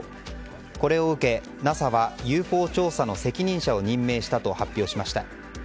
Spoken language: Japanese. これを受け、ＮＡＳＡはＵＦＯ調査の責任者を任命したと発表しました。